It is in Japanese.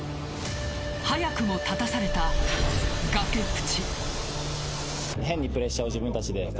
早くも立たされた崖っ淵。